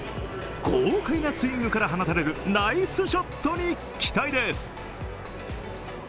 豪快なスイングから放たれるナイスショットに期待です。